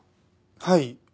はい。